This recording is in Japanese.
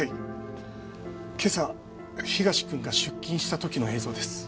今朝東君が出勤した時の映像です。